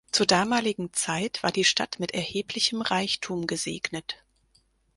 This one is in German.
Zur damaligen Zeit war die Stadt mit erheblichem Reichtum gesegnet.